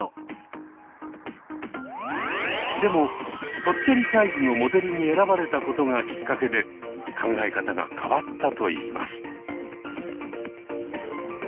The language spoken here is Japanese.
でもぽっちゃりサイズのモデルに選ばれたことがきっかけで考え方が変わったといいます。